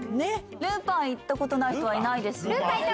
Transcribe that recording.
るーぱん行ったことない人はいないですよね。